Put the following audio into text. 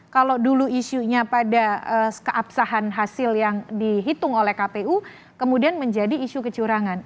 kalau dulu isunya pada keabsahan hasil yang dihitung oleh kpu kemudian menjadi isu kecurangan